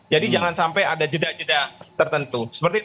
jadi jangan sampai ada jeda jeda tertentu